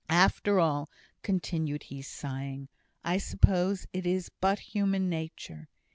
After all," continued he, sighing, "I suppose it is but human nature!"